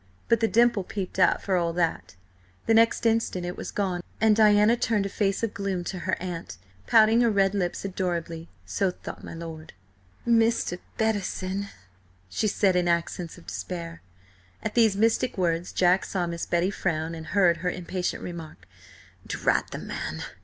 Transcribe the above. But the dimple peeped out for all that The next instant it was gone, and Diana turned a face of gloom to her aunt, pouting her red lips adorably, so thought my lord. "Mr. Bettison," she said in accents of despair. At these mystic words, Jack saw Miss Betty frown, and heard her impatient remark: "Drat the man!"